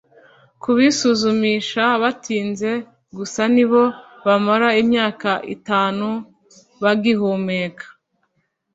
Ku bisuzumisha batinze, gusa ni bo bamara imyaka itanu bagihumeka.